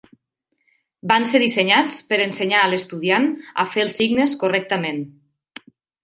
Van ser dissenyats per ensenyar a l'estudiant a fer els signes correctament.